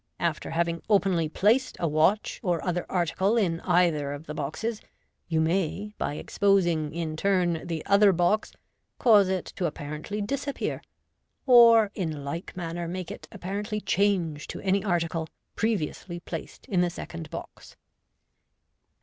after having openly placed a watch or other article in either of the boxes, you may, by exposing in turn the other box, cause it to apparently disappear, or in like manner make it apparently change to any article previously placed in the second box.